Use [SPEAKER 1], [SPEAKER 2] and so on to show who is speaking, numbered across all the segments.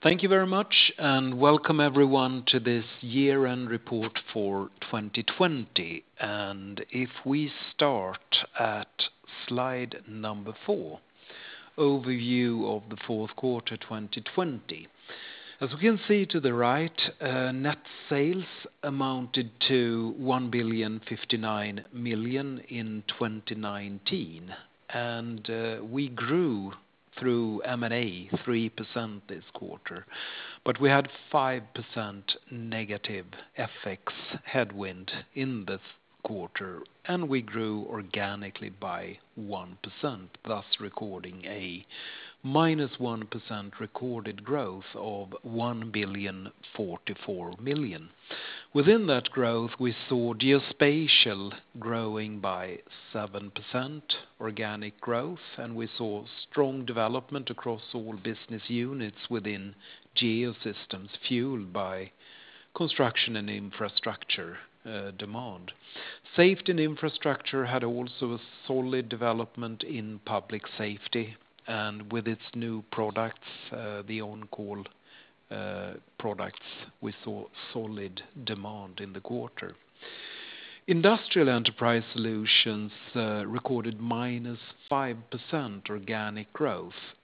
[SPEAKER 1] Thank you very much, welcome everyone to this year-end report for 2020. If we start at slide number four, overview of the fourth quarter 2020. As we can see to the right, net sales amounted to 1.059 billion In 2019, and we grew through M&A 3% this quarter, but we had 5% negative FX headwind in this quarter, and we grew organically by 1%, thus recording a -1% recorded growth of 1.044. Within that growth, we saw Geospatial growing by 7% organic growth, and we saw strong development across all business units within Geosystems, fueled by construction and infrastructure demand. Safety and Infrastructure had also a solid development in public safety, and with its new products, the OnCall products, we saw solid demand in the quarter. Industrial Enterprise Solutions recorded -5% organic growth.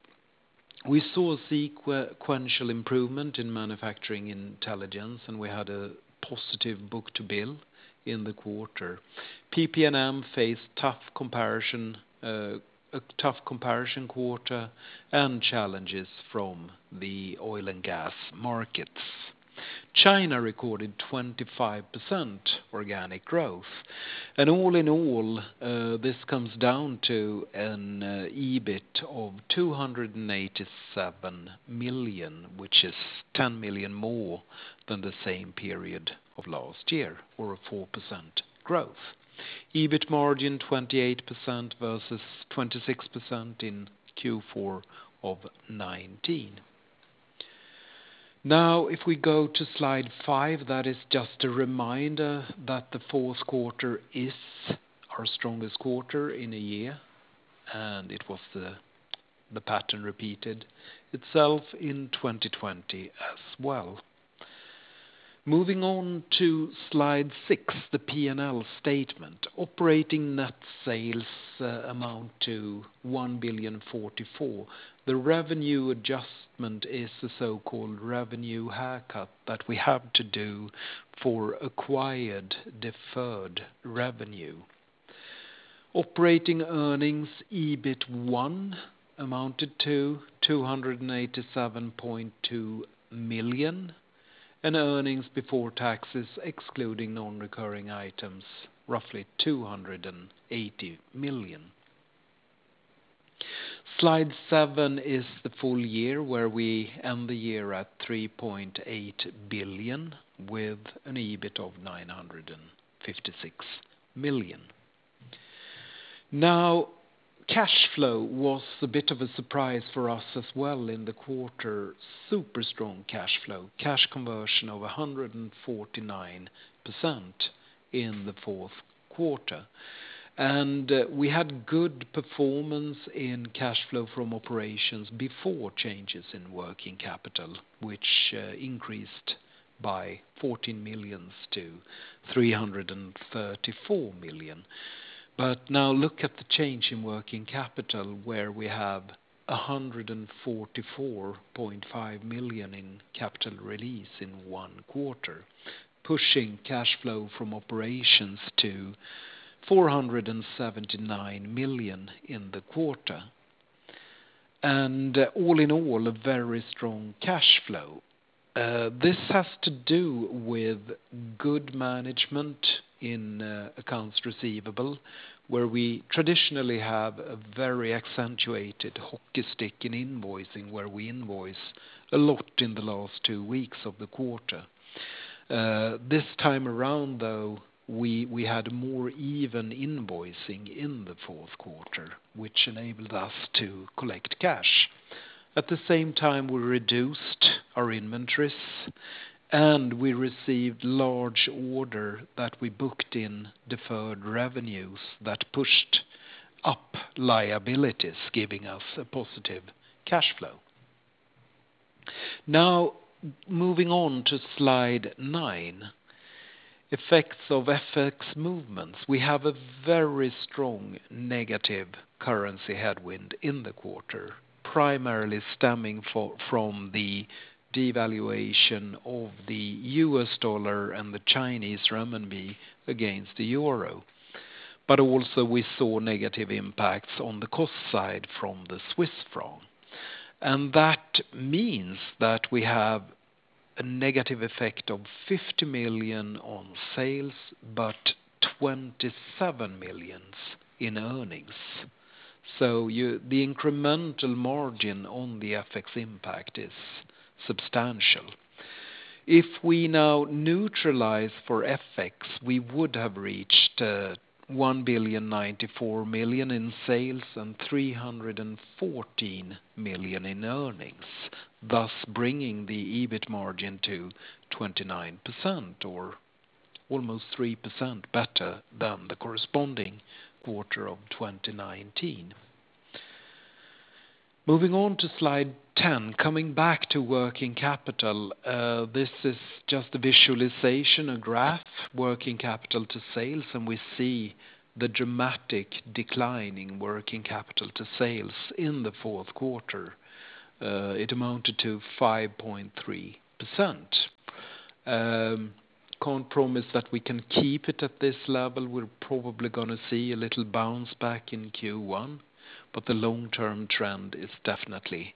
[SPEAKER 1] We saw sequential improvement in Manufacturing Intelligence. We had a positive book-to-bill in the quarter. PP&M faced a tough comparison quarter and challenges from the oil and gas markets. China recorded 25% organic growth. All in all, this comes down to an EBIT of 287 million, which is 10 million more than the same period of last year or a 4% growth. EBIT margin 28% versus 26% in Q4 of 2019. Now, if we go to slide five, that is just a reminder that the fourth quarter is our strongest quarter in a year, and the pattern repeated itself in 2020 as well. Moving on to slide six, the P&L statement. Operating net sales amount to 1.044 billion. The revenue adjustment is the so-called revenue haircut that we have to do for acquired deferred revenue. Operating earnings, EBIT1, amounted to 287.2 million. Earnings before taxes, excluding non-recurring items, roughly 280 million. Slide seven is the full year, where we end the year at 3.8 billion with an EBIT of 956 million. Now, cash flow was a bit of a surprise for us as well in the quarter. Super strong cash flow, cash conversion over 149% in the fourth quarter. We had good performance in cash flow from operations before changes in working capital, which increased by 14 million-334 million. Now look at the change in working capital, where we have 144.5 million in capital release in one quarter, pushing cash flow from operations to 479 million in the quarter. All in all, a very strong cash flow. This has to do with good management in accounts receivable, where we traditionally have a very accentuated hockey stick in invoicing, where we invoice a lot in the last two weeks of the quarter. This time around, though, we had more even invoicing in the fourth quarter, which enabled us to collect cash. At the same time, we reduced our inventories, and we received large order that we booked in deferred revenues that pushed up liabilities, giving us a positive cash flow. Now, moving on to slide nine, effects of FX movements. We have a very strong negative currency headwind in the quarter, primarily stemming from the devaluation of the U.S. dollar and the Chinese renminbi against the euro. Also we saw negative impacts on the cost side from the Swiss franc. That means that we have a negative effect of 50 million on sales, but 27 million in earnings. The incremental margin on the FX impact is substantial. If we now neutralize for FX, we would have reached 1,094 million in sales and 314 million in earnings, thus bringing the EBIT margin to 29% or almost 3% better than the corresponding quarter of 2019. Moving on to slide 10, coming back to working capital. This is just a visualization, a graph, working capital to sales, and we see the dramatic decline in working capital to sales in the fourth quarter. It amounted to 5.3%. Can't promise that we can keep it at this level. We're probably going to see a little bounce back in Q1, but the long-term trend is definitely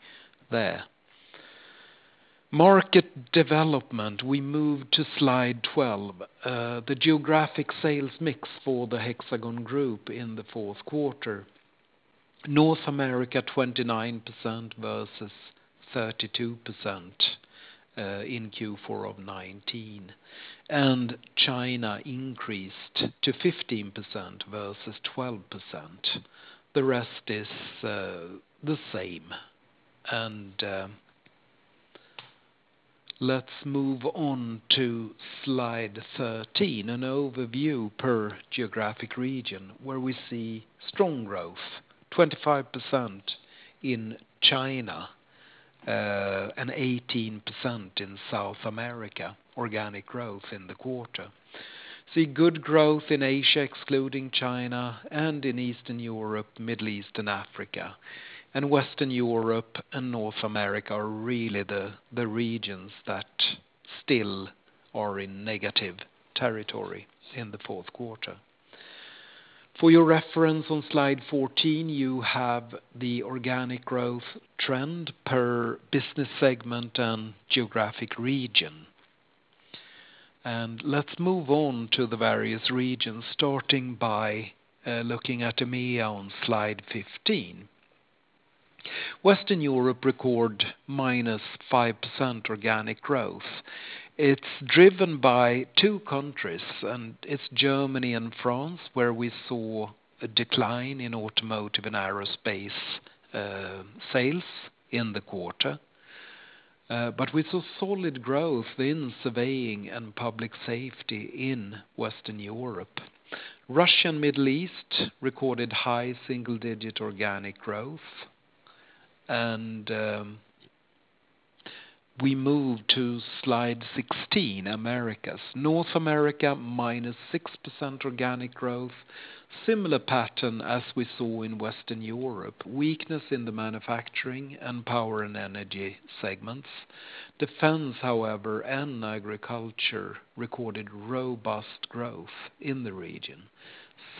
[SPEAKER 1] there. Market development, we move to Slide 12. The geographic sales mix for the Hexagon Group in the fourth quarter, North America, 29% versus 32% in Q4 of 2019. China increased to 15% versus 12%. The rest is the same. Let's move on to Slide 13, an overview per geographic region, where we see strong growth, 25% in China and 18% in South America, organic growth in the quarter. We see good growth in Asia, excluding China, and in Eastern Europe, Middle East and Africa. Western Europe and North America are really the regions that still are in negative territory in the fourth quarter. For your reference on Slide 14, you have the organic growth trend per business segment and geographic region. Let's move on to the various regions, starting by looking at EMEA on Slide 15. Western Europe record, -5% organic growth. It's driven by two countries, and it's Germany and France, where we saw a decline in automotive and aerospace sales in the quarter. We saw solid growth in surveying and public safety in Western Europe. Russia and Middle East recorded high single-digit organic growth. We move to Slide 16, Americas. North America, minus 6% organic growth. Similar pattern as we saw in Western Europe, weakness in the manufacturing and power and energy segments. Defense, however, and agriculture recorded robust growth in the region.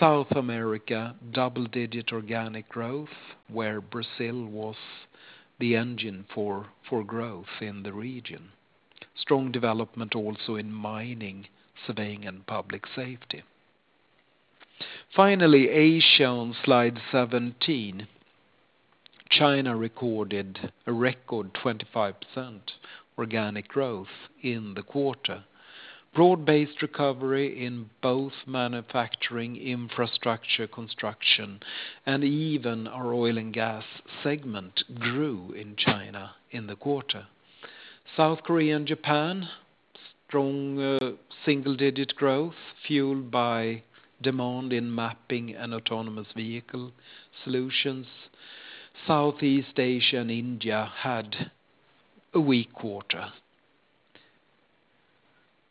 [SPEAKER 1] South America, double-digit organic growth, where Brazil was the engine for growth in the region. Strong development also in mining, surveying, and public safety. Finally, Asia on Slide 17. China recorded a record 25% organic growth in the quarter. Broad-based recovery in both manufacturing, infrastructure construction, and even our oil and gas segment grew in China in the quarter. South Korea and Japan, strong single-digit growth fueled by demand in mapping and autonomous vehicle solutions. Southeast Asia and India had a weak quarter.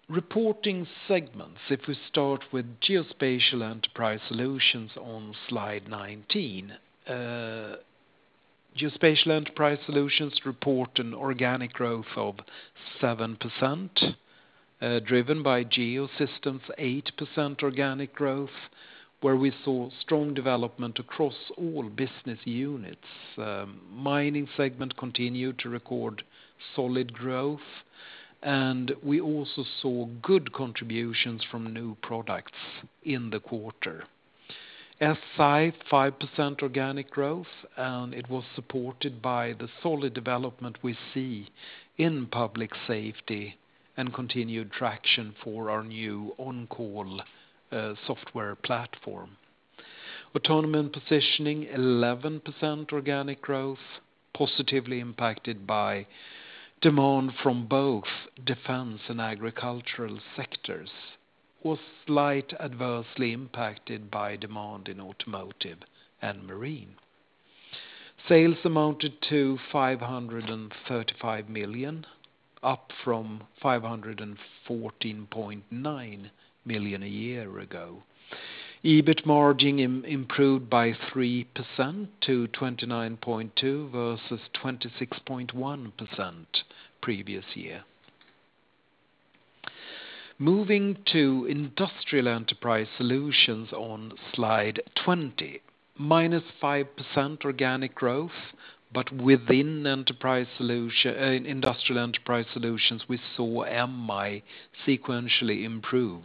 [SPEAKER 1] Reporting segments, if we start with Geospatial Enterprise Solutions on Slide 19. Geospatial Enterprise Solutions report an organic growth of 7%, driven by Geosystems' 8% organic growth, where we saw strong development across all business units. Mining segment continued to record solid growth, and we also saw good contributions from new products in the quarter. SI, 5% organic growth, and it was supported by the solid development we see in public safety and continued traction for our new OnCall software platform. Autonomy & Positioning, 11% organic growth, positively impacted by demand from both defense and agricultural sectors, was slightly adversely impacted by demand in automotive and marine. Sales amounted to 535 million, up from 514.9 million a year ago. EBIT margin improved by 3%-29.2% versus 26.1% previous year. Moving to Industrial Enterprise Solutions on Slide 20, -5% organic growth, but within Industrial Enterprise Solutions, we saw MI sequentially improve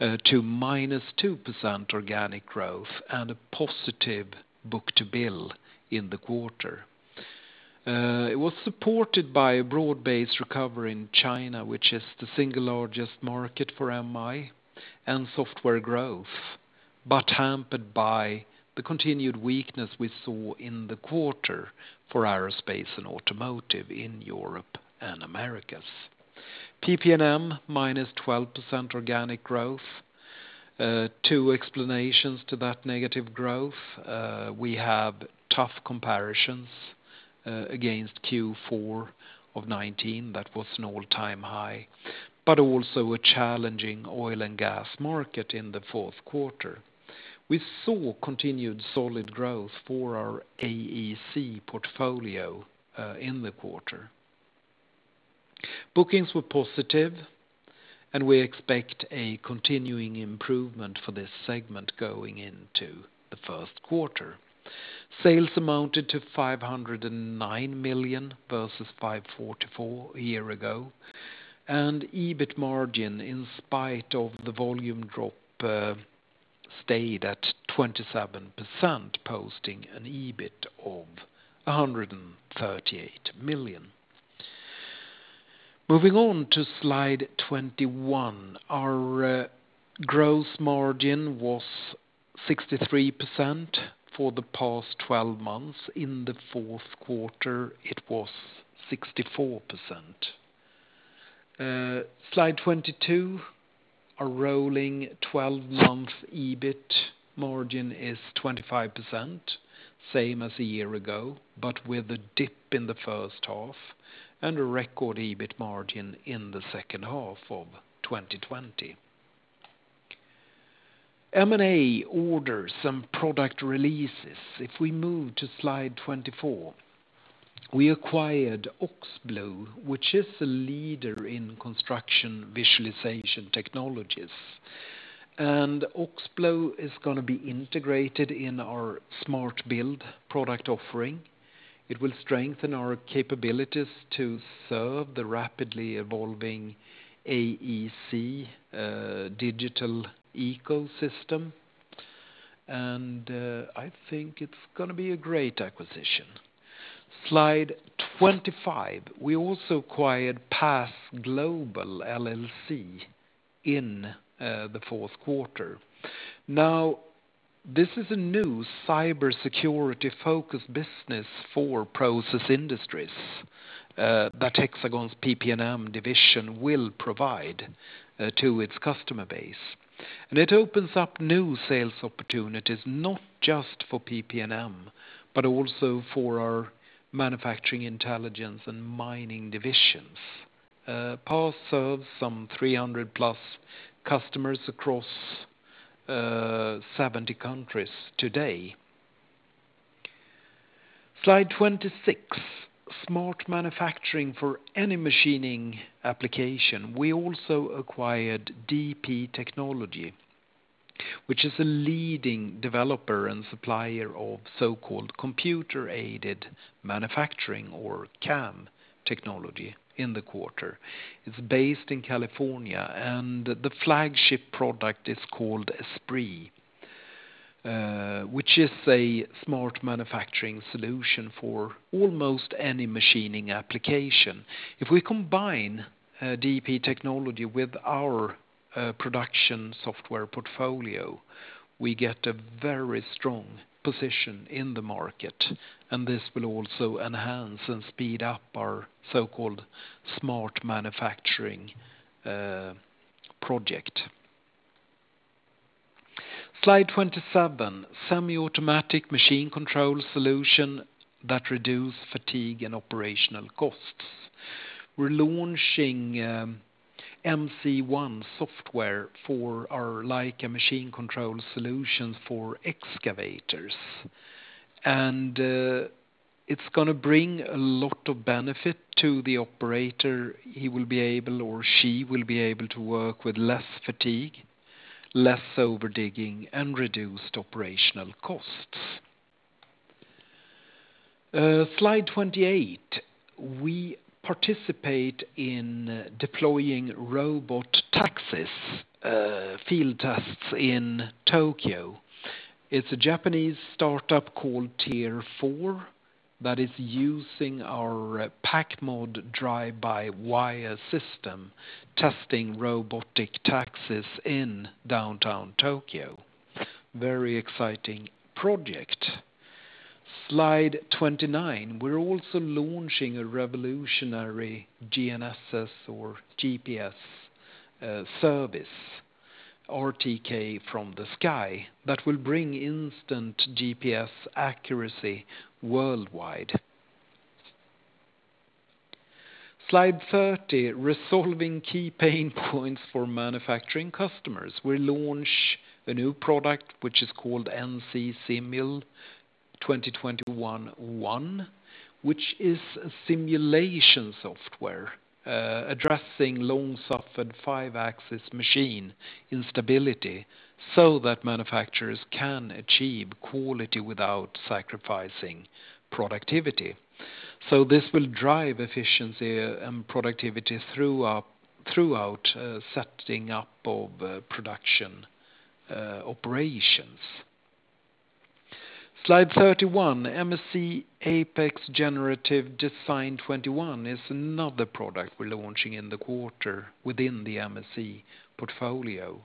[SPEAKER 1] to -2% organic growth and a positive book-to-bill in the quarter. It was supported by a broad-based recovery in China, which is the single largest market for MI, and software growth. Hampered by the continued weakness we saw in the quarter for aerospace and automotive in Europe and Americas. PP&M, -12% organic growth. Two explanations to that negative growth. We have tough comparisons against Q4 of 2019, that was an all-time high, but also a challenging oil and gas market in the fourth quarter. We saw continued solid growth for our AEC portfolio in the quarter. Bookings were positive, and we expect a continuing improvement for this segment going into the first quarter. Sales amounted to 509 million versus 544 million a year ago. EBIT margin, in spite of the volume drop, stayed at 27%, posting an EBIT of 138 million. Moving on to slide 21. Our gross margin was 63% for the past 12 months. In the fourth quarter, it was 64%. Slide 22, our rolling 12-month EBIT margin is 25%, same as a year ago. With a dip in the first half and a record EBIT margin in the second half of 2020. M&A orders and product releases. If we move to slide 24, we acquired OxBlue, which is a leader in construction visualization technologies. OxBlue is going to be integrated in our Smart Build product offering. It will strengthen our capabilities to serve the rapidly evolving AEC digital ecosystem. I think it's going to be a great acquisition. Slide 25. We also acquired PAS Global LLC in the fourth quarter. This is a new cybersecurity-focused business for process industries that Hexagon's PP&M division will provide to its customer base. It opens up new sales opportunities not just for PP&M, but also for our Manufacturing Intelligence and mining divisions. PAS serves some 300+ customers across 70 countries today. Slide 26, smart manufacturing for any machining application. We also acquired DP Technology, which is a leading developer and supplier of so-called computer-aided manufacturing or CAM technology in the quarter. It's based in California, and the flagship product is called ESPRIT, which is a smart manufacturing solution for almost any machining application. If we combine DP Technology with our production software portfolio, we get a very strong position in the market, and this will also enhance and speed up our so-called smart manufacturing project. Slide 27, semi-automatic machine control solution that reduce fatigue and operational costs. We're launching MC1 software for our Leica machine control solution for excavators, and it's going to bring a lot of benefit to the operator. He will be able, or she will be able, to work with less fatigue, less over digging, and reduced operational costs. Slide 28, we participate in deploying robot taxis field tests in Tokyo. It's a Japanese startup called TIER IV that is using our PACMod drive-by-wire system, testing robotic taxis in downtown Tokyo. Very exciting project. Slide 29. We're also launching a revolutionary GNSS or GPS service, RTK From the Sky, that will bring instant GPS accuracy worldwide. Slide 30, resolving key pain points for manufacturing customers. We launch a new product which is called NCSIMUL 2021.1, which is a simulation software addressing long-suffered five-axis machine instability so that manufacturers can achieve quality without sacrificing productivity. This will drive efficiency and productivity throughout setting up of production operations. Slide 31, MSC Apex Generative Design 2021 is another product we're launching in the quarter within the MSC portfolio.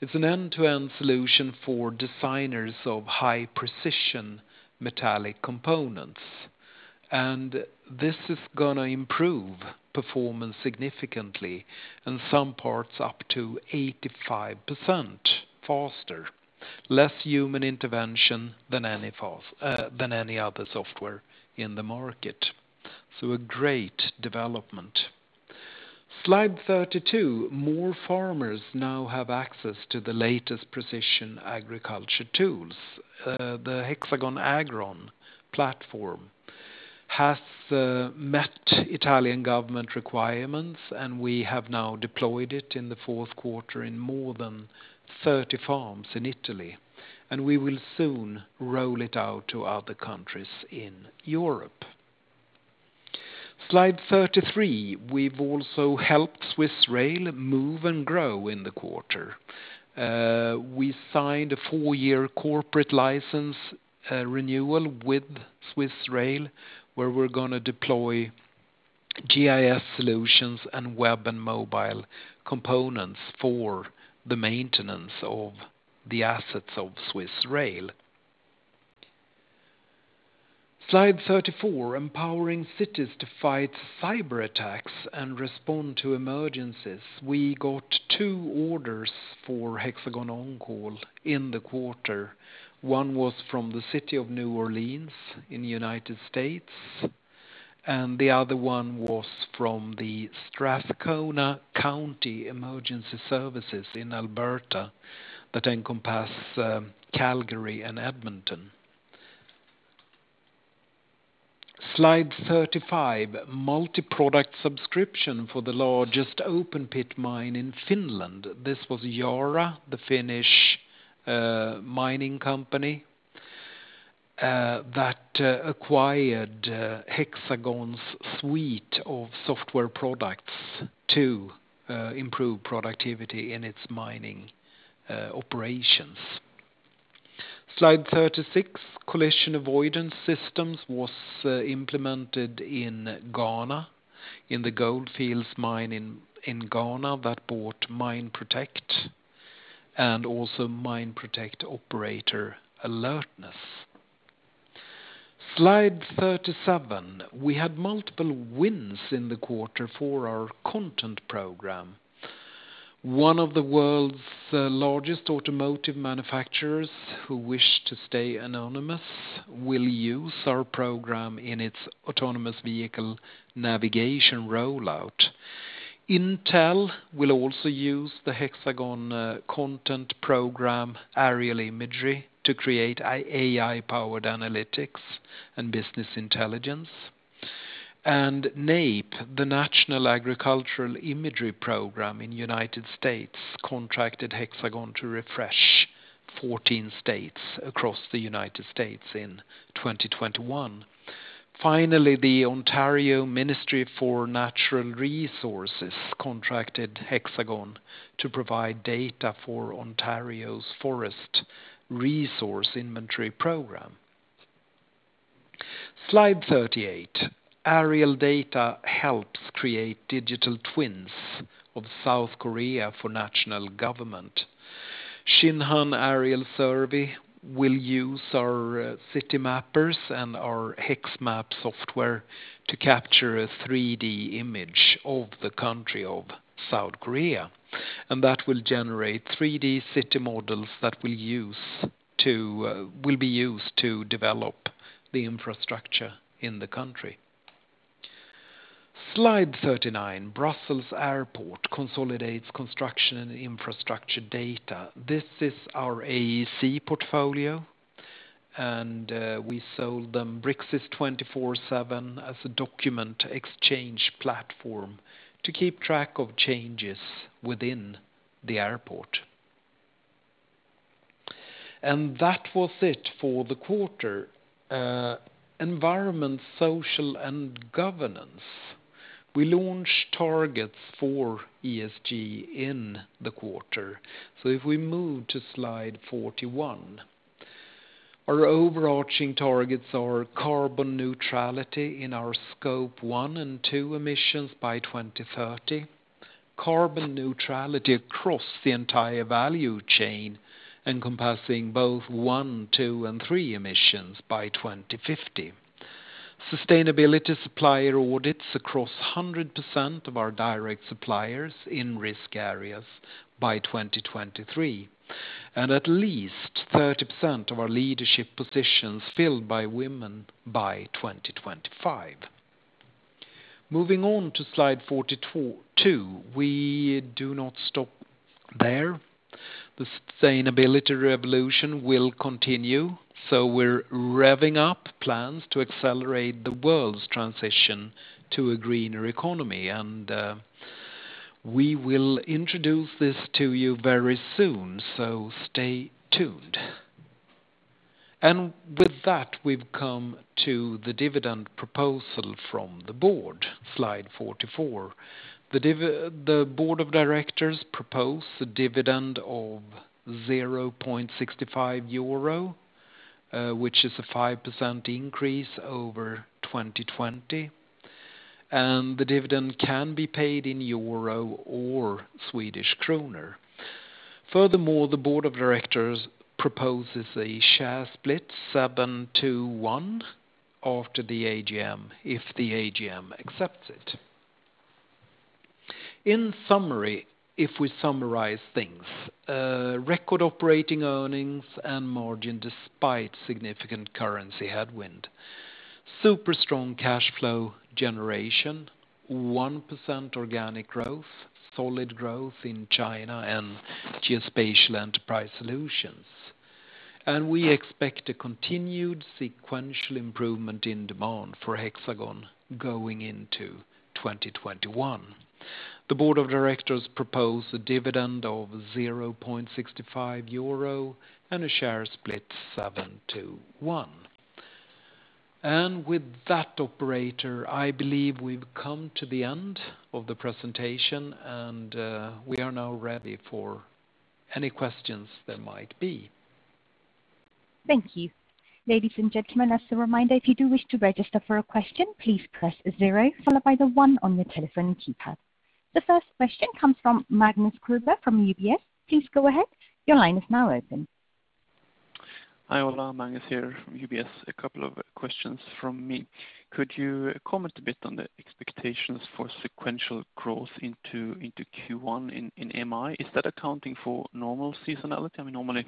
[SPEAKER 1] It's an end-to-end solution for designers of high precision metallic components. This is going to improve performance significantly, in some parts up to 85% faster. Less human intervention than any other software in the market. A great development. Slide 32. More farmers now have access to the latest precision agriculture tools. The Hexagon AgrOn platform has met Italian government requirements, and we have now deployed it in the fourth quarter in more than 30 farms in Italy. We will soon roll it out to other countries in Europe. Slide 33. We've also helped Swiss Rail move and grow in the quarter. We signed a four-year corporate license renewal with Swiss Rail, where we're going to deploy GIS solutions and web and mobile components for the maintenance of the assets of Swiss Rail. Slide 34, empowering cities to fight cyber attacks and respond to emergencies. We got two orders for HxGN OnCall in the quarter. One was from the city of New Orleans in the United States, and the other one was from the Strathcona County Emergency Services in Alberta that encompass Calgary and Edmonton. Slide 35, multi-product subscription for the largest open-pit mine in Finland. This was Yara, the Finnish mining company that acquired Hexagon's suite of software products to improve productivity in its mining operations. Slide 36. Collision avoidance systems was implemented in Ghana in the Gold Fields mine in Ghana that bought MineProtect and also MineProtect Operator Alertness. Slide 37. We had multiple wins in the quarter for our Content Program. One of the world's largest automotive manufacturers who wish to stay anonymous will use our program in its autonomous vehicle navigation rollout. Intel will also use the Hexagon Content Program aerial imagery to create AI-powered analytics and business intelligence. NAIP, the National Agriculture Imagery Program in United States, contracted Hexagon to refresh 14 states across the United States in 2021. Finally, the Ontario Ministry for Natural Resources contracted Hexagon to provide data for Ontario's Forest Resources Inventory program. Slide 38. Aerial data helps create digital twins of South Korea for national government. SHINHAN Aerial Survey will use our CityMapper and our HxMap software to capture a 3D image of the country of South Korea, and that will generate 3D city models that will be used to develop the infrastructure in the country. Slide 39, Brussels Airport consolidates construction and infrastructure data. This is our AEC portfolio, we sold them Bricsys 24/7 as a document exchange platform to keep track of changes within the airport. That was it for the quarter. Environment, social, and governance. We launched targets for ESG in the quarter. If we move to slide 41. Our overarching targets are carbon neutrality in our Scope 1 and 2 emissions by 2030. Carbon neutrality across the entire value chain, encompassing both one, two, and three emissions by 2050. Sustainability supplier audits across 100% of our direct suppliers in risk areas by 2023, and at least 30% of our leadership positions filled by women by 2025. Moving on to slide 42. We do not stop there. The sustainability revolution will continue, so we're revving up plans to accelerate the world's transition to a greener economy. We will introduce this to you very soon, so stay tuned. With that, we've come to the dividend proposal from the board. Slide 44. The board of directors propose a dividend of 0.65 euro, which is a 5% increase over 2020. The dividend can be paid in Euro or Swedish krona. Furthermore, the board of directors proposes a share split seven to one after the AGM, if the AGM accepts it. In summary, if we summarize things, record operating earnings and margin despite significant currency headwind. Super strong cash flow generation, 1% organic growth, solid growth in China and Geospatial Enterprise Solutions. We expect a continued sequential improvement in demand for Hexagon going into 2021. The board of directors propose a dividend of 0.65 euro and a share split seven to one. With that, operator, I believe we've come to the end of the presentation, and we are now ready for any questions there might be.
[SPEAKER 2] Thank you. Ladies and gentlemen, as a reminder, if you do wish to register for a question, please press the zero followed by the one on your telephone keypad. The first question comes from Magnus Kruber from UBS. Please go ahead. Your line is now open.
[SPEAKER 3] Hi, Ola. Magnus here from UBS. A couple of questions from me. Could you comment a bit on the expectations for sequential growth into Q1 in MI? Is that accounting for normal seasonality? Normally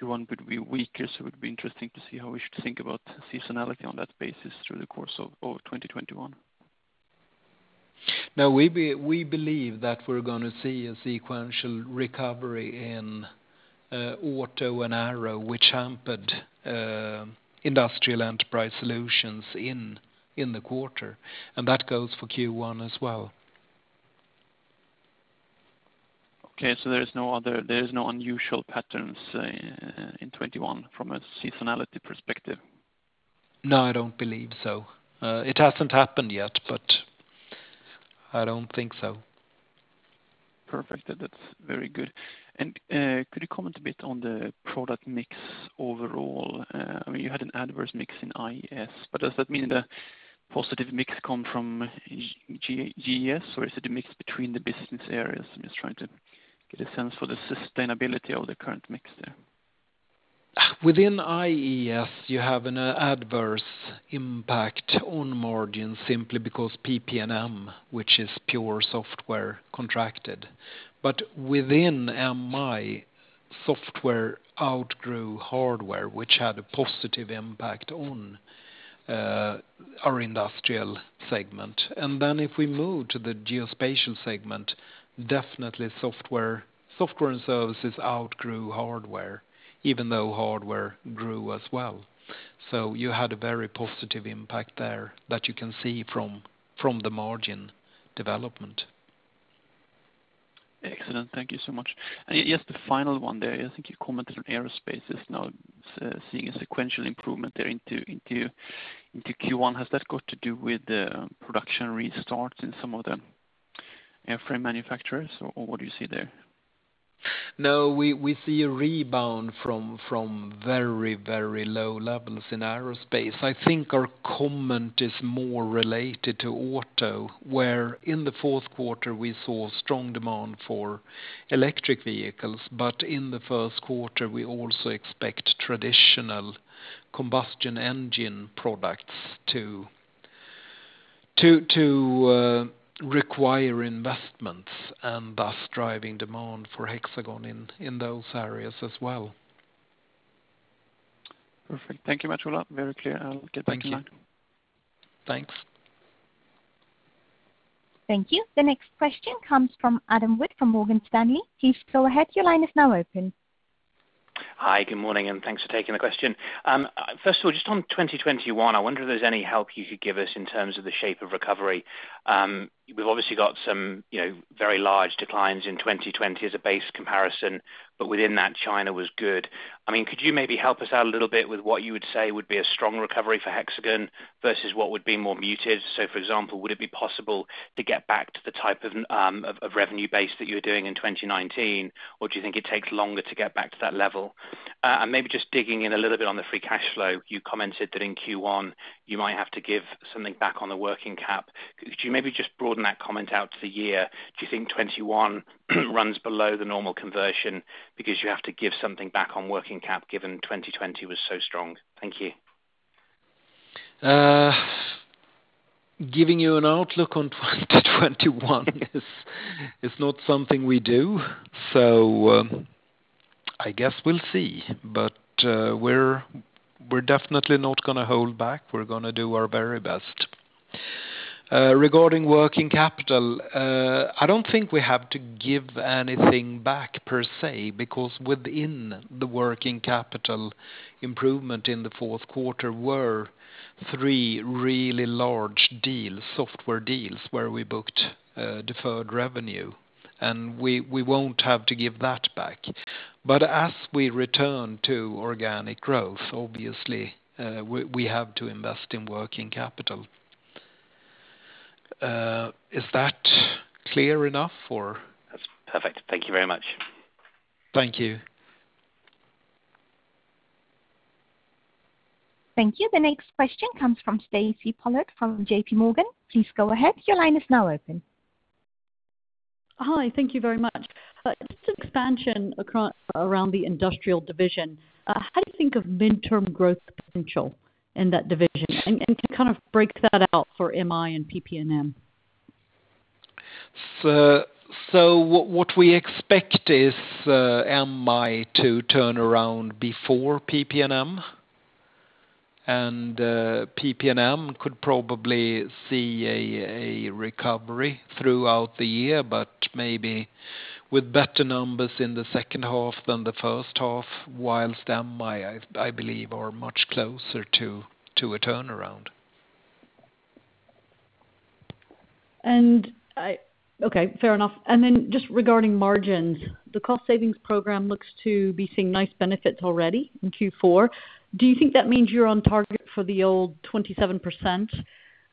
[SPEAKER 3] Q1 would be weaker, so it would be interesting to see how we should think about seasonality on that basis through the course of 2021.
[SPEAKER 1] We believe that we're going to see a sequential recovery in auto and aero, which hampered Industrial Enterprise Solutions in the quarter. That goes for Q1 as well.
[SPEAKER 3] Okay. There is no unusual patterns in 2021 from a seasonality perspective?
[SPEAKER 1] No, I don't believe so. It hasn't happened yet, but I don't think so.
[SPEAKER 3] Perfect. That's very good. Could you comment a bit on the product mix overall? You had an adverse mix in IES, but does that mean the positive mix come from GES, or is it a mix between the business areas? I'm just trying to get a sense for the sustainability of the current mix there.
[SPEAKER 1] Within IES, you have an adverse impact on margin simply because PP&M, which is pure software contracted. Within MI, software outgrew hardware, which had a positive impact on our industrial segment. If we move to the Geospatial segment, definitely software and services outgrew hardware, even though hardware grew as well. You had a very positive impact there that you can see from the margin development.
[SPEAKER 3] Excellent. Thank you so much. Just the final one there, I think you commented on aerospace is now seeing a sequential improvement there into Q1. Has that got to do with the production restarts in some of the airframe manufacturers, or what do you see there?
[SPEAKER 1] No, we see a rebound from very, very low levels in aerospace. I think our comment is more related to auto, where in the fourth quarter we saw strong demand for electric vehicles, but in the first quarter, we also expect traditional combustion engine products to require investments and thus driving demand for Hexagon in those areas as well.
[SPEAKER 3] Perfect. Thank you much, Ola. Very clear. I'll give back the line.
[SPEAKER 1] Thank you. Thanks.
[SPEAKER 2] Thank you. The next question comes from Adam Wood from Morgan Stanley. Please go ahead. Your line is now open.
[SPEAKER 4] Hi, good morning, thanks for taking the question. First of all, just on 2021, I wonder if there's any help you could give us in terms of the shape of recovery. We've obviously got some very large declines in 2020 as a base comparison, but within that, China was good. Could you maybe help us out a little bit with what you would say would be a strong recovery for Hexagon versus what would be more muted? For example, would it be possible to get back to the type of revenue base that you were doing in 2019, or do you think it takes longer to get back to that level? Maybe just digging in a little bit on the free cash flow, you commented that in Q1 you might have to give something back on the working cap. Could you maybe just broaden that comment out to the year? Do you think 2021 runs below the normal conversion because you have to give something back on working cap given 2020 was so strong? Thank you.
[SPEAKER 1] Giving you an outlook on 2021 is not something we do. I guess we'll see. We're definitely not going to hold back. We're going to do our very best. Regarding working capital, I don't think we have to give anything back per se because within the working capital improvement in the fourth quarter were three really large deals, software deals, where we booked deferred revenue. We won't have to give that back. As we return to organic growth, obviously, we have to invest in working capital. Is that clear enough?
[SPEAKER 4] That's perfect. Thank you very much.
[SPEAKER 1] Thank you.
[SPEAKER 2] Thank you. The next question comes from Stacy Pollard from JPMorgan. Please go ahead. Your line is now open.
[SPEAKER 5] Hi, thank you very much. Just expansion around the Industrial division. How do you think of midterm growth potential in that division? Can you break that out for MI and PP&M?
[SPEAKER 1] What we expect is MI to turn around before PP&M, and PP&M could probably see a recovery throughout the year, but maybe with better numbers in the second half than the first half, whilst MI, I believe are much closer to a turnaround.
[SPEAKER 5] Okay, fair enough. Just regarding margins, the cost savings program looks to be seeing nice benefits already in Q4. Do you think that means you're on target for the old 27%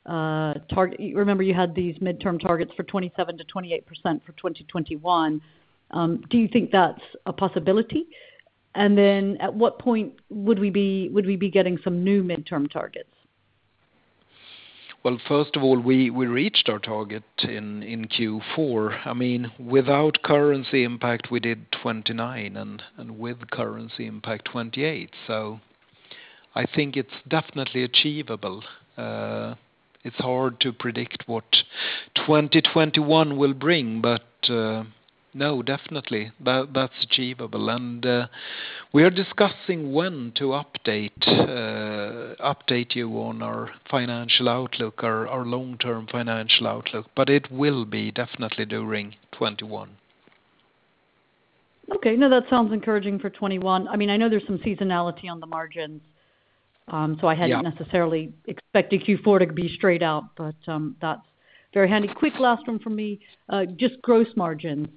[SPEAKER 5] target? Remember you had these midterm targets for 27%-28% for 2021. Do you think that's a possibility? At what point would we be getting some new midterm targets?
[SPEAKER 1] First of all, we reached our target in Q4. Without currency impact, we did 29%, and with currency impact, 28%. I think it's definitely achievable. It's hard to predict what 2021 will bring, no, definitely, that's achievable. We are discussing when to update you on our financial outlook, our long-term financial outlook. It will be definitely during 2021.
[SPEAKER 5] Okay. No, that sounds encouraging for 2021. I know there's some seasonality on the margins. I hadn't necessarily expected Q4 to be straight out, but that's very handy. Quick last one from me. Just gross margin.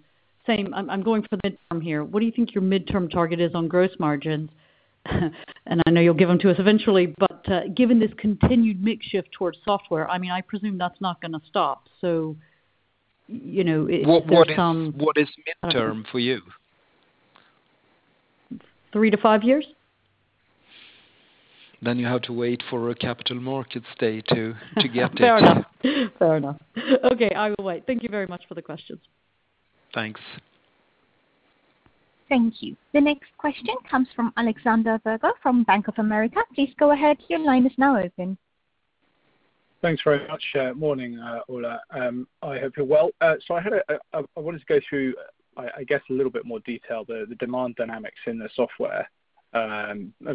[SPEAKER 5] Same, I'm going for the midterm here. What do you think your midterm target is on gross margins? I know you'll give them to us eventually, but given this continued mix shift towards software, I presume that's not going to stop.
[SPEAKER 1] What is midterm for you?
[SPEAKER 5] Three to five years.
[SPEAKER 1] You have to wait for a capital markets day to get it.
[SPEAKER 5] Fair enough. Okay, I will wait. Thank you very much for the questions.
[SPEAKER 1] Thanks.
[SPEAKER 2] Thank you. The next question comes from Alexander Virgo from Bank of America. Please go ahead. Your line is now open.
[SPEAKER 6] Thanks very much. Morning, Ola. I hope you're well. I wanted to go through, I guess a little bit more detail the demand dynamics in the software,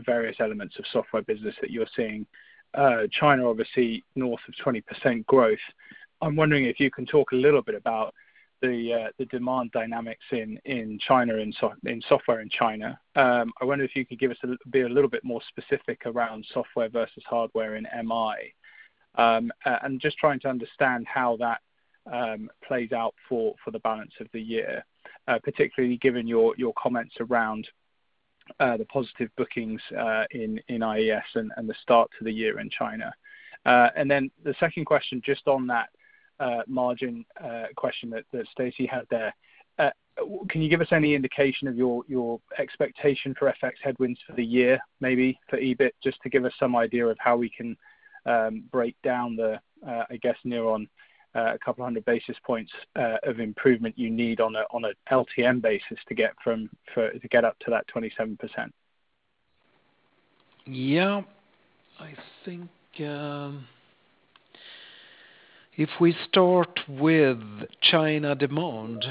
[SPEAKER 6] various elements of software business that you're seeing. China, obviously north of 20% growth. I'm wondering if you can talk a little bit about the demand dynamics in software in China. I wonder if you could be a little bit more specific around software versus hardware in MI. I'm just trying to understand how that plays out for the balance of the year, particularly given your comments around the positive bookings in IES and the start to the year in China. The second question, just on that margin question that Stacy had there. Can you give us any indication of your expectation for FX headwinds for the year, maybe for EBIT, just to give us some idea of how we can break down the, I guess near on 200 basis points of improvement you need on a LTM basis to get up to that 27%?
[SPEAKER 1] Yeah. I think if we start with China demand,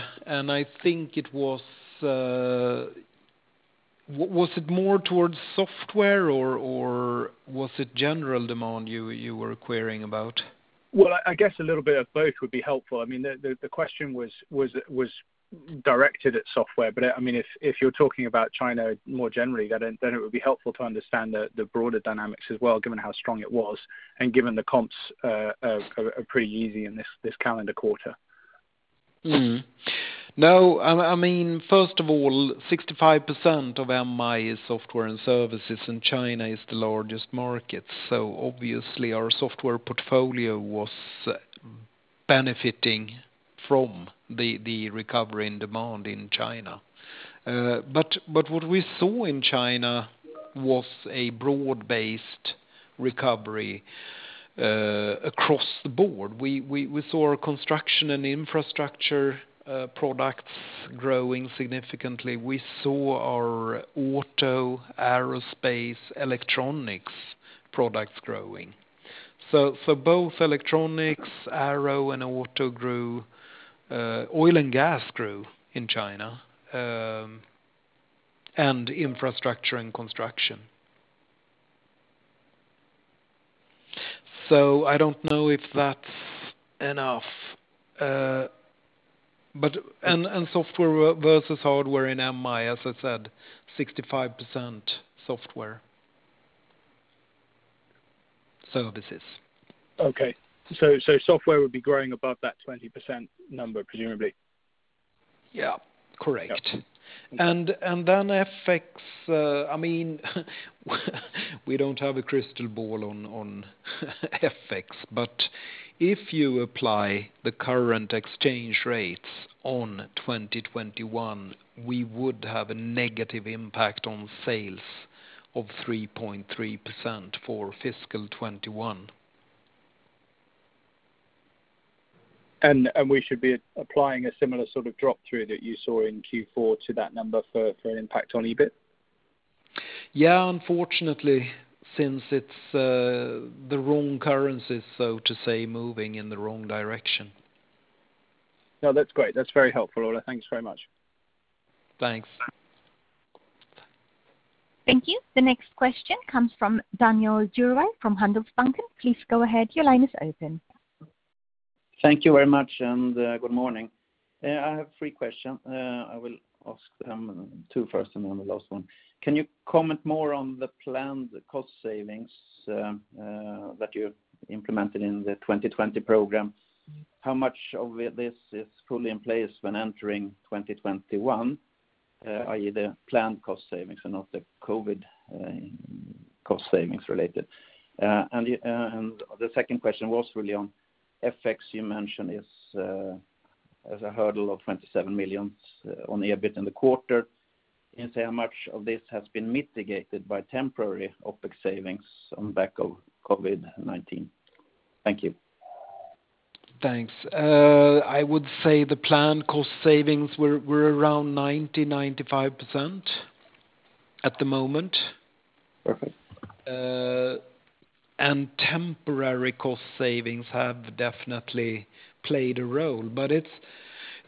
[SPEAKER 1] was it more towards software or was it general demand you were querying about?
[SPEAKER 6] Well, I guess a little bit of both would be helpful. The question was directed at software, but if you're talking about China more generally, then it would be helpful to understand the broader dynamics as well, given how strong it was, and given the comps are pretty easy in this calendar quarter.
[SPEAKER 1] No. First of all, 65% of MI is software and services, and China is the largest market. Obviously, our software portfolio was benefiting from the recovery in demand in China. What we saw in China was a broad-based recovery across the board. We saw our construction and infrastructure products growing significantly. We saw our auto, aerospace, electronics products growing. Both electronics, aero, and auto grew. Oil and gas grew in China, and infrastructure and construction. I don't know if that's enough. Software versus hardware in MI, as I said, 65% software services.
[SPEAKER 6] Okay. Software would be growing above that 20% number, presumably?
[SPEAKER 1] Yeah, correct. FX, we don't have a crystal ball on FX. If you apply the current exchange rates on 2021, we would have a negative impact on sales of 3.3% for fiscal 2021.
[SPEAKER 6] We should be applying a similar sort of drop through that you saw in Q4 to that number for an impact on EBIT?
[SPEAKER 1] Yeah, unfortunately, since it's the wrong currency, so to say, moving in the wrong direction.
[SPEAKER 6] No, that's great. That's very helpful, Ola. Thanks very much.
[SPEAKER 1] Thanks.
[SPEAKER 2] Thank you. The next question comes from Daniel Djurberg from Handelsbanken. Please go ahead. Your line is open.
[SPEAKER 7] Thank you very much. Good morning. I have three questions. I will ask two first and then the last one. Can you comment more on the planned cost savings that you implemented in the 2020 program? How much of this is fully in place when entering 2021? Either planned cost savings or not the COVID cost savings related. The second question was really on FX you mentioned is as a hurdle of 27 million on the EBIT in the quarter. Can you say how much of this has been mitigated by temporary OpEx savings on back of COVID-19? Thank you.
[SPEAKER 1] Thanks. I would say the planned cost savings were around 90%, 95% at the moment. Temporary cost savings have definitely played a role, but it's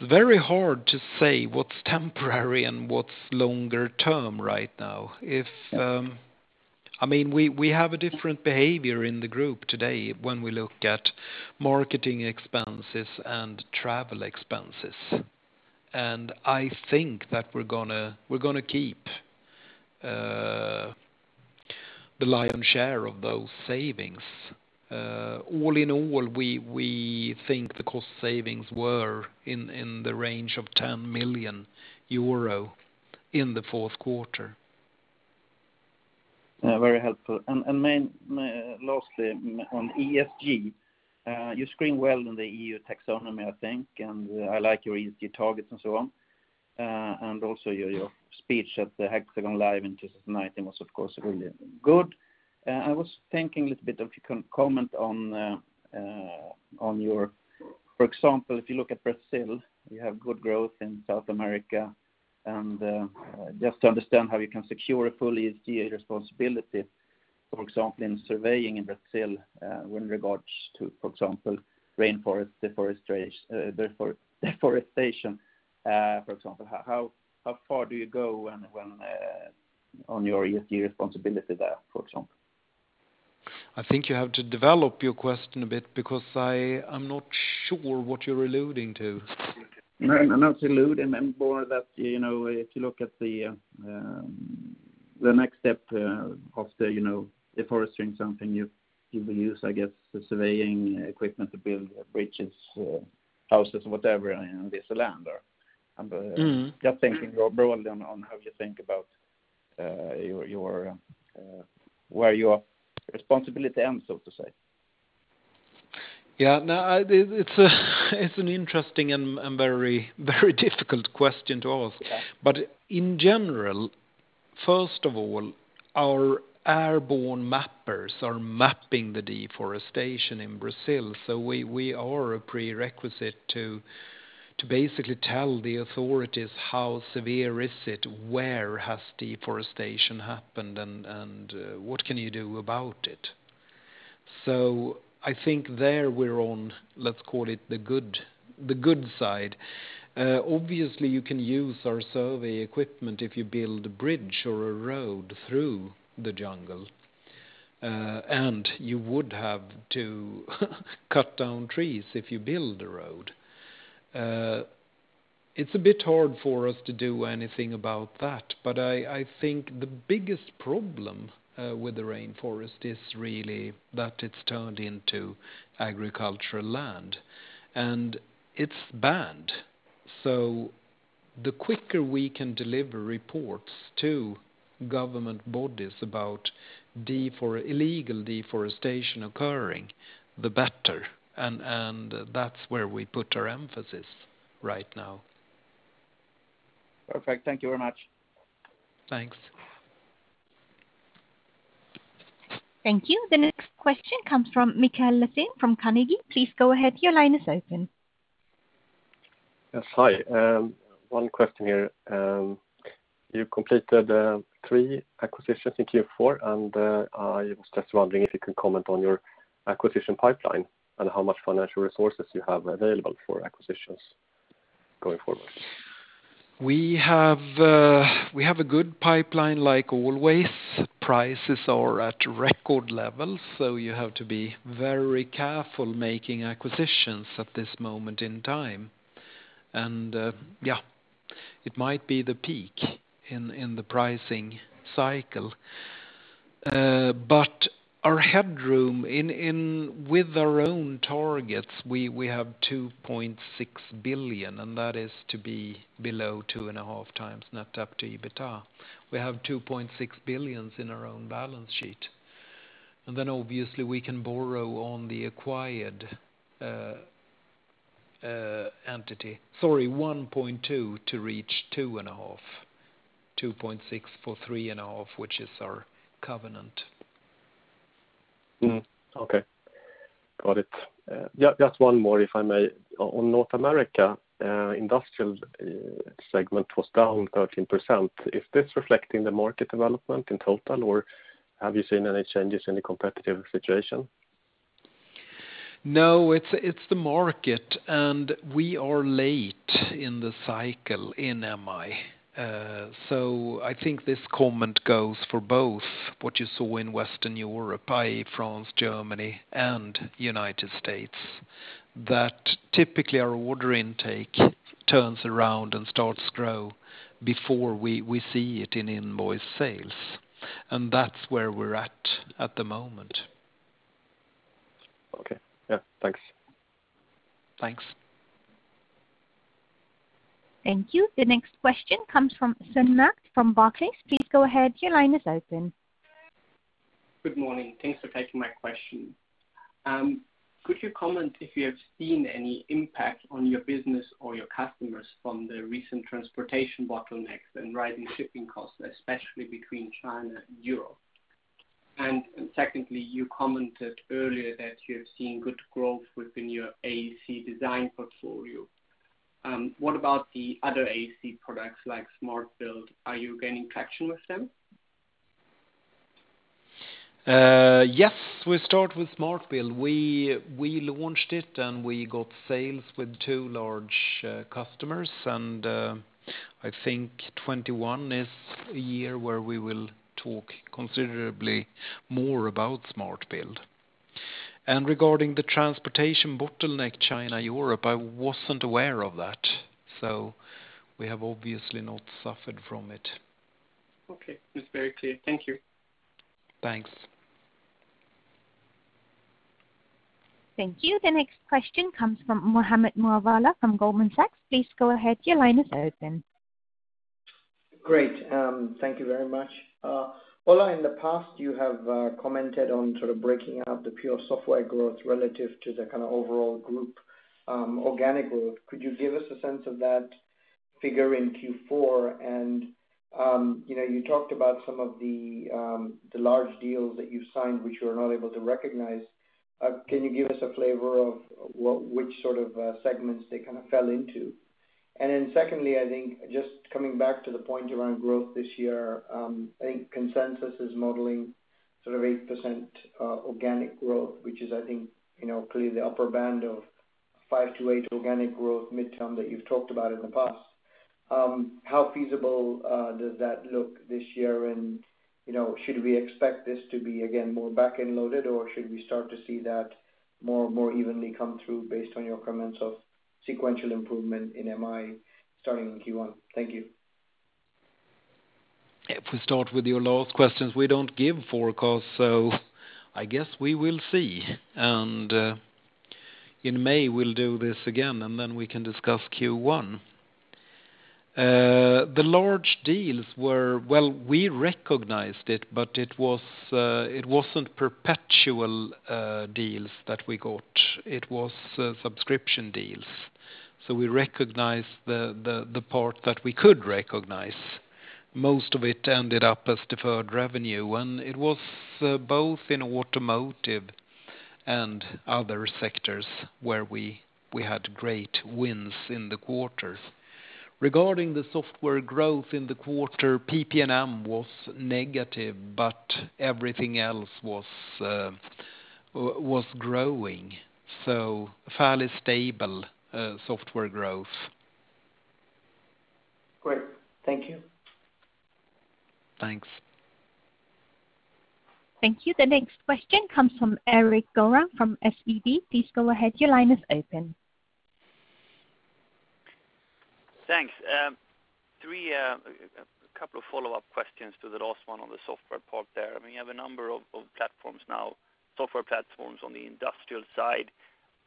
[SPEAKER 1] very hard to say what's temporary and what's longer term right now. We have a different behavior in the group today when we look at marketing expenses and travel expenses. I think that we're going to keep the lion's share of those savings. All in all, we think the cost savings were in the range of 10 million euro in the fourth quarter.
[SPEAKER 7] Very helpful. Lastly, on ESG, you screen well in the EU taxonomy, I think, and I like your ESG targets and so on. Also your speech at the HxGN LIVE in 2019 was of course really good. I was thinking a little bit if you can comment on your, for example, if you look at Brazil, you have good growth in South America, and just to understand how you can secure a full ESG responsibility, for example, in surveying in Brazil, with regards to, for example, rainforest deforestation. How far do you go on your ESG responsibility there, for example?
[SPEAKER 1] I think you have to develop your question a bit because I'm not sure what you're alluding to.
[SPEAKER 7] No, not alluding. More that if you look at the next step of the forestry and something you will use, I guess the surveying equipment to build bridges or houses, whatever on this land. Just thinking more broadly on how you think about where your responsibility ends, so to say.
[SPEAKER 1] Yeah. No, it's an interesting and very difficult question to ask. In general, first of all, our airborne mappers are mapping the deforestation in Brazil. We are a prerequisite to basically tell the authorities how severe is it, where has deforestation happened, and what can you do about it? Obviously, you can use our survey equipment if you build a bridge or a road through the jungle. You would have to cut down trees if you build a road. It's a bit hard for us to do anything about that, but I think the biggest problem with the rainforest is really that it's turned into agricultural land, and it's banned. The quicker we can deliver reports to government bodies about illegal deforestation occurring, the better, and that's where we put our emphasis right now.
[SPEAKER 7] Perfect. Thank you very much.
[SPEAKER 1] Thanks.
[SPEAKER 2] Thank you. The next question comes from Mikael Laséen from Carnegie. Please go ahead. Your line is open.
[SPEAKER 8] Yes. Hi. One question here. You completed three acquisitions in Q4, and I was just wondering if you can comment on your acquisition pipeline and how much financial resources you have available for acquisitions going forward.
[SPEAKER 1] We have a good pipeline like always. Prices are at record levels. You have to be very careful making acquisitions at this moment in time. Yeah, it might be the peak in the pricing cycle. Our headroom with our own targets, we have 2.6 billion, and that is to be below 2.5x net debt to EBITDA. We have 2.6 billion in our own balance sheet. Then obviously we can borrow on the acquired entity. Sorry, 1.2 to reach 2.5x, 2.6 for 3.5x, which is our covenant.
[SPEAKER 8] Okay, got it. Just one more, if I may. On North America, industrial segment was down 13%. Is this reflecting the market development in total, or have you seen any changes in the competitive situation?
[SPEAKER 1] No, it's the market. We are late in the cycle in MI. I think this comment goes for both what you saw in Western Europe, i.e. France, Germany, and United States, that typically our order intake turns around and starts to grow before we see it in invoice sales. That's where we're at at the moment.
[SPEAKER 8] Okay. Yeah, thanks.
[SPEAKER 1] Thanks.
[SPEAKER 2] Thank you. The next question comes from Sven Merkt from Barclays. Please go ahead. Your line is open.
[SPEAKER 9] Good morning. Thanks for taking my question. Could you comment if you have seen any impact on your business or your customers from the recent transportation bottlenecks and rising shipping costs, especially between China and Europe? Secondly, you commented earlier that you have seen good growth within your AEC design portfolio. What about the other AEC products like Smart Build? Are you gaining traction with them?
[SPEAKER 1] Yes. We start with Smart Build. We launched it, and we got sales with two large customers, and I think 2021 is a year where we will talk considerably more about Smart Build. Regarding the transportation bottleneck, China, Europe, I wasn't aware of that, so we have obviously not suffered from it.
[SPEAKER 9] Okay. It's very clear. Thank you.
[SPEAKER 1] Thanks.
[SPEAKER 2] Thank you. The next question comes from Mohammed Moawalla from Goldman Sachs. Please go ahead.
[SPEAKER 10] Great. Thank you very much. Ola, in the past, you have commented on sort of breaking out the pure software growth relative to the kind of overall group organic growth. Could you give us a sense of that figure in Q4? You talked about some of the large deals that you've signed, which you are not able to recognize. Can you give us a flavor of which sort of segments they fell into? Secondly, I think just coming back to the point around growth this year, I think consensus is modeling sort of 8% organic growth, which is, I think, clearly the upper band of 5%-8% organic growth midterm that you've talked about in the past. How feasible does that look this year, and should we expect this to be, again, more back-end loaded, or should we start to see that more evenly come through based on your comments of sequential improvement in MI starting in Q1? Thank you.
[SPEAKER 1] If we start with your last questions, we don't give forecasts, so I guess we will see. In May we'll do this again, then we can discuss Q1. The large deals were, well, we recognized it, but it wasn't perpetual deals that we got. It was subscription deals. We recognized the part that we could recognize. Most of it ended up as deferred revenue, and it was both in automotive and other sectors where we had great wins in the quarters. Regarding the software growth in the quarter, PP&M was negative, but everything else was growing. Fairly stable software growth.
[SPEAKER 10] Great. Thank you.
[SPEAKER 1] Thanks.
[SPEAKER 2] Thank you. The next question comes from Erik Golrang from SEB. Please go ahead.
[SPEAKER 11] Thanks. Three couple of follow-up questions to the last one on the software part there. You have a number of platforms now, software platforms on the industrial side.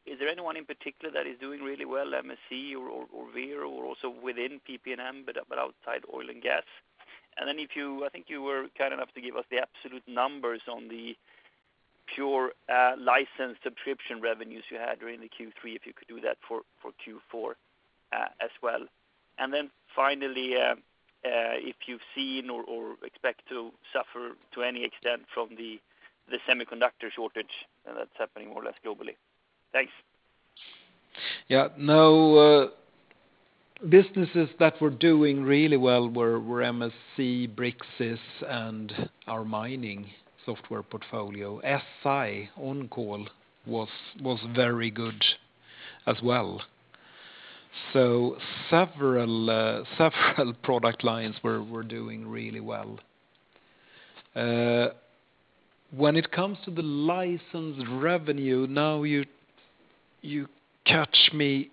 [SPEAKER 11] Is there any one in particular that is doing really well, MSC or Vero, or also within PP&M but outside oil and gas? I think you were kind enough to give us the absolute numbers on the pure license subscription revenues you had during the Q3, if you could do that for Q4 as well. Finally, if you've seen or expect to suffer to any extent from the semiconductor shortage that's happening more or less globally. Thanks.
[SPEAKER 1] Yeah. No, businesses that were doing really well were MSC, Bricsys, and our mining software portfolio. SI OnCall was very good as well. Several product lines were doing really well. When it comes to the license revenue, now you catch me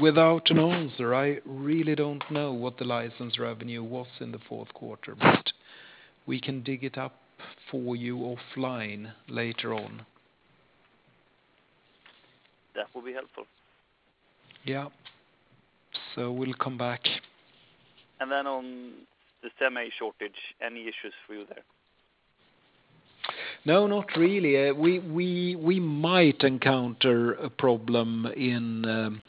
[SPEAKER 1] without an answer. I really don't know what the license revenue was in the fourth quarter, but we can dig it up for you offline later on.
[SPEAKER 11] That will be helpful.
[SPEAKER 1] Yeah. We'll come back.
[SPEAKER 11] On the semi shortage, any issues for you there?
[SPEAKER 1] Not really. We might encounter a problem in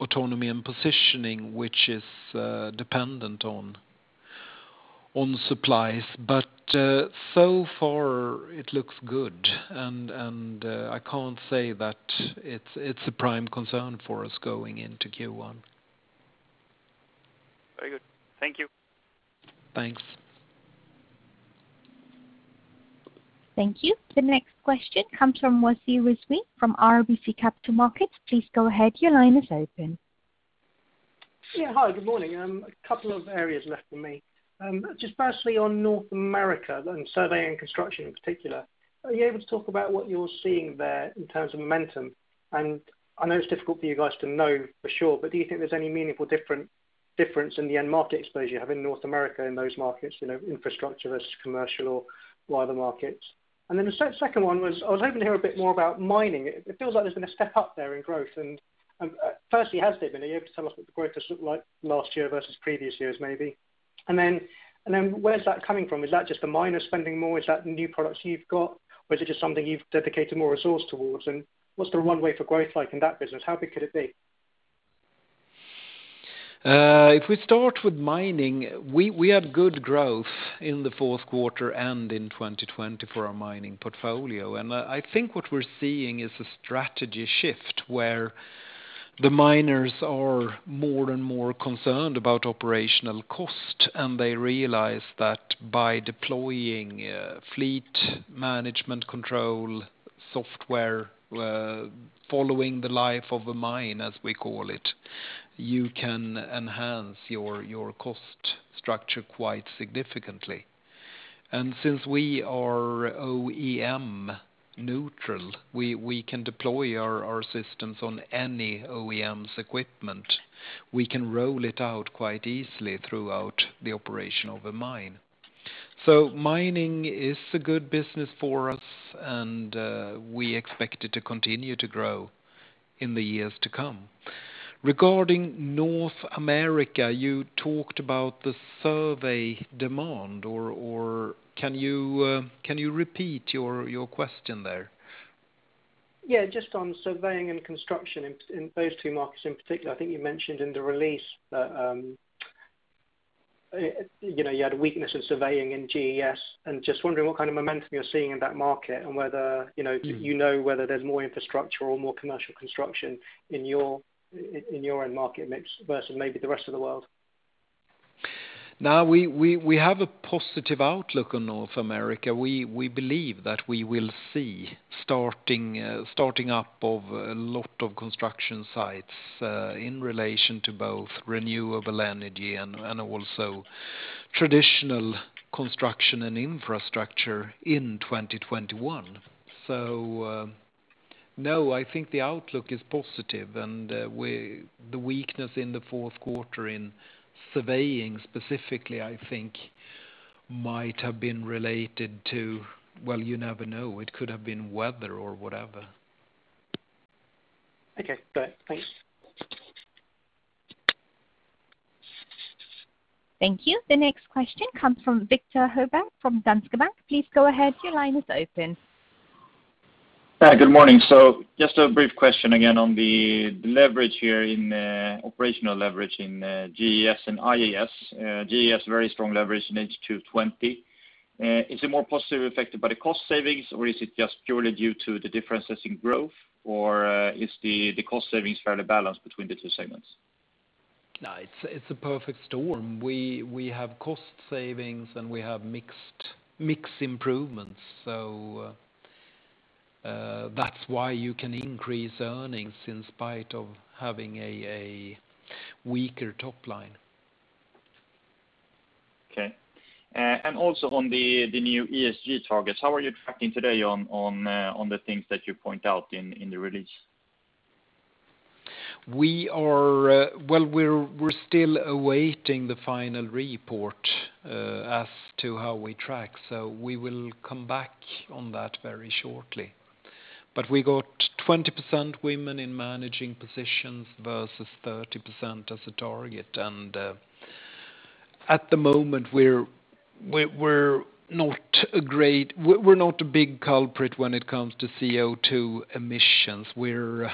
[SPEAKER 1] Autonomy & Positioning, which is dependent on supplies, but so far it looks good, and I can't say that it's a prime concern for us going into Q1.
[SPEAKER 11] Very good. Thank you.
[SPEAKER 1] Thanks.
[SPEAKER 2] Thank you. The next question comes from Wasi Rizvi from RBC Capital Markets. Please go ahead.
[SPEAKER 12] Yeah. Hi, good morning. A couple of areas left for me. Just firstly on North America and survey and construction in particular, are you able to talk about what you're seeing there in terms of momentum? I know it's difficult for you guys to know for sure, but do you think there's any meaningful difference in the end market exposure you have in North America, in those markets, infrastructure versus commercial or wider markets? The second one was, I was hoping to hear a bit more about mining. It feels like there's been a step up there in growth. Firstly, has there been? Are you able to tell us what the growth has looked like last year versus previous years, maybe? Where's that coming from? Is that just the miners spending more? Is that new products you've got? Or is it just something you've dedicated more resource towards? What's the runway for growth like in that business? How big could it be?
[SPEAKER 1] If we start with mining, we had good growth in the fourth quarter and in 2020 for our mining portfolio. I think what we're seeing is a strategy shift where the miners are more and more concerned about operational cost, and they realize that by deploying fleet management control software, following the life of a mine, as we call it, you can enhance your cost structure quite significantly. Since we are OEM neutral, we can deploy our systems on any OEM's equipment. We can roll it out quite easily throughout the operation of a mine. Mining is a good business for us, and we expect it to continue to grow in the years to come. Regarding North America, you talked about the survey demand, or can you repeat your question there?
[SPEAKER 12] Yeah, just on Surveying and Construction in those two markets in particular, I think you mentioned in the release that you had a weakness in surveying in GES, and just wondering what kind of momentum you're seeing in that market and whether you know whether there's more infrastructure or more commercial construction in your end market mix versus maybe the rest of the world?
[SPEAKER 1] We have a positive outlook on North America. We believe that we will see starting up of a lot of construction sites, in relation to both renewable energy and also traditional construction and infrastructure in 2021. I think the outlook is positive, and the weakness in the fourth quarter in surveying specifically, I think, might have been related to, well, you never know. It could have been weather or whatever.
[SPEAKER 12] Okay, got it. Thanks.
[SPEAKER 2] Thank you. The next question comes from Viktor Högberg from Danske Bank. Please go ahead. Your line is open.
[SPEAKER 13] Good morning. Just a brief question again on the leverage here, operational leverage in GES and IES. GES, very strong leverage in H2 2020. Is it more positively affected by the cost savings, or is it just purely due to the differences in growth? Is the cost savings fairly balanced between the two segments?
[SPEAKER 1] No, it's a perfect storm. We have cost savings, and we have mix improvements. That's why you can increase earnings in spite of having a weaker top line.
[SPEAKER 13] Okay. Also on the new ESG targets, how are you tracking today on the things that you point out in the release?
[SPEAKER 1] We're still awaiting the final report as to how we track. We will come back on that very shortly. We got 20% women in managing positions versus 30% as a target. At the moment, we're not a big culprit when it comes to CO2 emissions. We're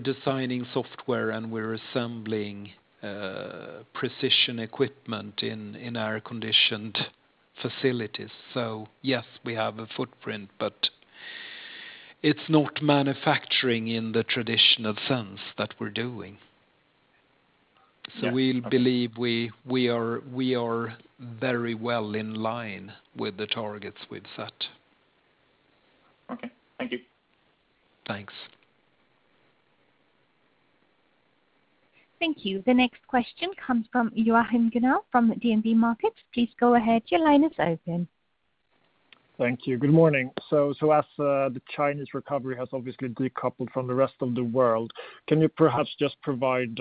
[SPEAKER 1] designing software, and we're assembling precision equipment in air-conditioned facilities. Yes, we have a footprint, but it's not manufacturing in the traditional sense that we're doing. We believe we are very well in line with the targets we've set.
[SPEAKER 13] Okay. Thank you.
[SPEAKER 1] Thanks.
[SPEAKER 2] Thank you. The next question comes from Joachim Gunell from DNB Markets. Please go ahead. Your line is open.
[SPEAKER 14] Thank you. Good morning. As the Chinese recovery has obviously decoupled from the rest of the world, can you perhaps just provide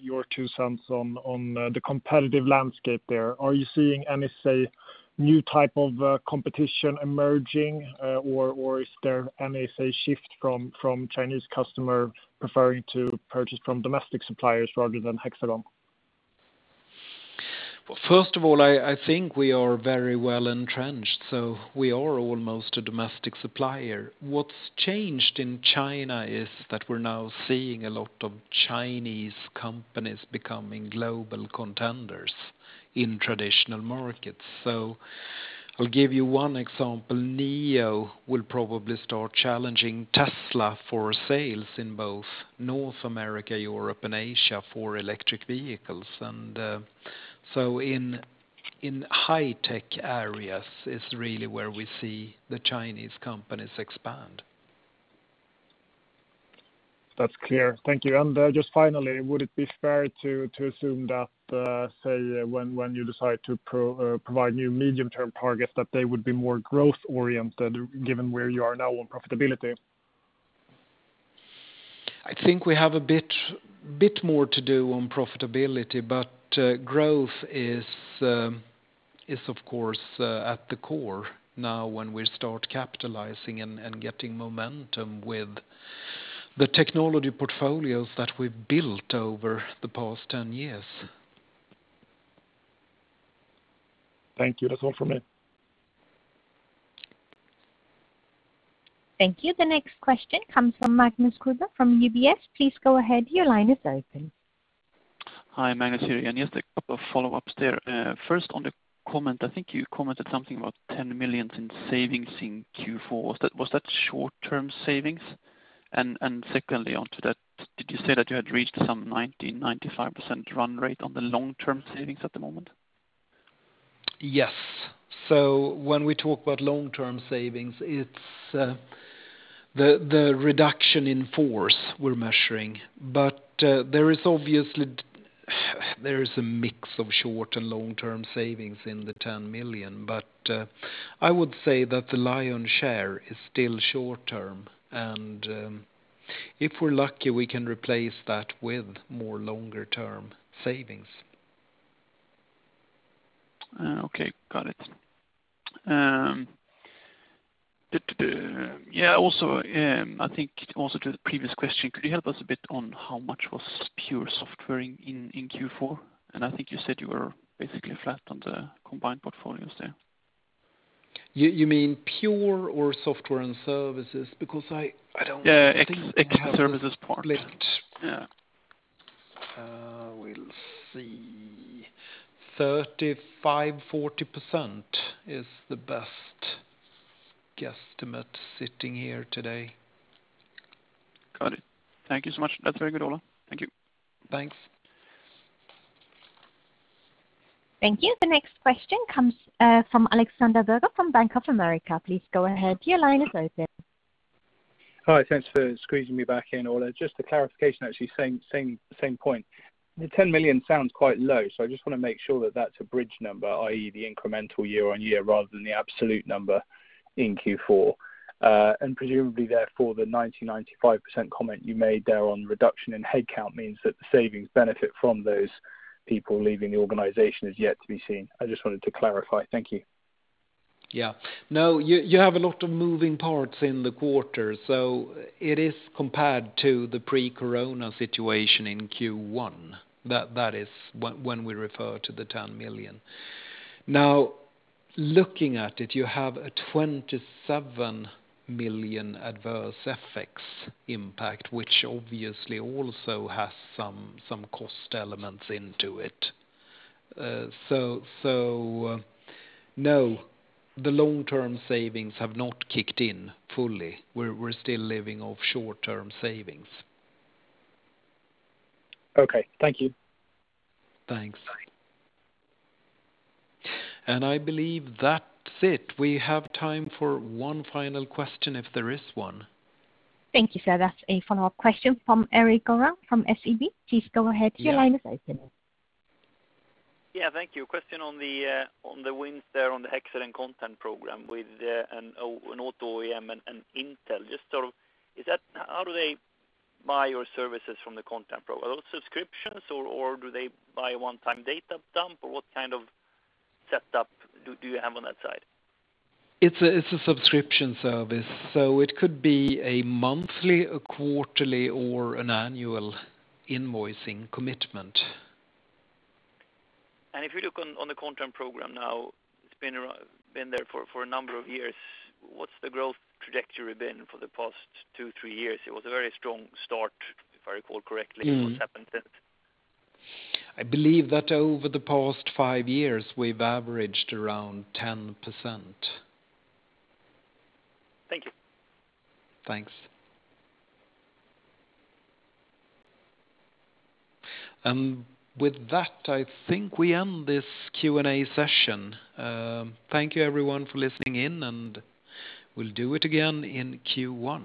[SPEAKER 14] your two cents on the competitive landscape there? Are you seeing any, say, new type of competition emerging, or is there any, say, shift from Chinese customer preferring to purchase from domestic suppliers rather than Hexagon?
[SPEAKER 1] First of all, I think we are very well-entrenched, so we are almost a domestic supplier. What's changed in China is that we're now seeing a lot of Chinese companies becoming global contenders in traditional markets. I'll give you one example. NIO will probably start challenging Tesla for sales in both North America, Europe, and Asia for electric vehicles. In high tech areas is really where we see the Chinese companies expand.
[SPEAKER 14] That's clear. Thank you. Just finally, would it be fair to assume that, say when you decide to provide new medium-term targets, that they would be more growth-oriented given where you are now on profitability?
[SPEAKER 1] I think we have a bit more to do on profitability, but growth is of course at the core now when we start capitalizing and getting momentum with the technology portfolios that we've built over the past 10 years.
[SPEAKER 14] Thank you. That's all from me.
[SPEAKER 2] Thank you. The next question comes from Magnus Kruber from UBS. Please go ahead. Your line is open.
[SPEAKER 3] Hi. Magnus here. Just a couple of follow-ups there. First on the comment, I think you commented something about 10 million in savings in Q4. Was that short-term savings? Secondly on to that, did you say that you had reached some 90%, 95% run rate on the long-term savings at the moment?
[SPEAKER 1] Yes. When we talk about long-term savings, it's the reduction in force we're measuring. There is a mix of short and long-term savings in the 10 million. I would say that the lion's share is still short-term, and if we're lucky, we can replace that with more longer-term savings.
[SPEAKER 3] Okay. Got it. I think also to the previous question, could you help us a bit on how much was pure software in Q4? I think you said you were basically flat on the combined portfolios there.
[SPEAKER 1] You mean pure or software and services?
[SPEAKER 3] Yeah, ex-services part.
[SPEAKER 1] We'll see. 35%-40% is the best guesstimate sitting here today.
[SPEAKER 3] Got it. Thank you so much. That is very good, Ola. Thank you.
[SPEAKER 1] Thanks.
[SPEAKER 2] Thank you. The next question comes from Alexander Virgo from Bank of America. Please go ahead. Your line is open.
[SPEAKER 6] Hi, thanks for squeezing me back in, Ola. Just a clarification, actually, same point. The 10 million sounds quite low. I just want to make sure that that's a bridge number, i.e., the incremental year-on-year rather than the absolute number in Q4. Presumably, therefore, the 90%-95% comment you made there on reduction in headcount means that the savings benefit from those people leaving the organization is yet to be seen. I just wanted to clarify. Thank you.
[SPEAKER 1] You have a lot of moving parts in the quarter, so it is compared to the pre-corona situation in Q1. That is when we refer to the 10 million. Looking at it, you have a 27 million adverse FX impact, which obviously also has some cost elements into it. No, the long-term savings have not kicked in fully. We're still living off short-term savings.
[SPEAKER 6] Okay. Thank you.
[SPEAKER 1] Thanks. I believe that's it. We have time for one final question if there is one.
[SPEAKER 2] Thank you, sir. That's a follow-up question from Erik Golrang from SEB. Please go ahead. Your line is open.
[SPEAKER 11] Yeah. Thank you. Question on the wins there on the Hexagon Content Program with an auto OEM and Intel. How do they buy your services from the Content Program? Are those subscriptions, or do they buy a one-time data dump, or what kind of setup do you have on that side?
[SPEAKER 1] It's a subscription service, so it could be a monthly, a quarterly, or an annual invoicing commitment.
[SPEAKER 11] If you look on the Content Program now, it's been there for a number of years. What's the growth trajectory been for the past two, three years? It was a very strong start, if I recall correctly. What's happened since?
[SPEAKER 1] I believe that over the past five years, we've averaged around 10%.
[SPEAKER 11] Thank you.
[SPEAKER 1] Thanks. With that, I think we end this Q&A session. Thank you, everyone, for listening in, and we'll do it again in Q1.